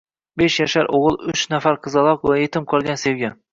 Besh yashar o’g’il, uch yashar qizaloq va yetim qolgan sevgi.